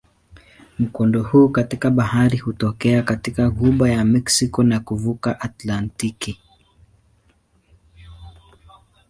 Mkondo huu katika bahari hutokea katika ghuba ya Meksiko na kuvuka Atlantiki.